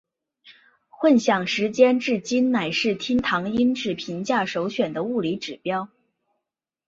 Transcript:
混响时间至今仍是厅堂音质评价首选的物理指标。